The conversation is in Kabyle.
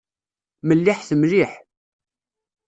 Melliḥet mliḥ.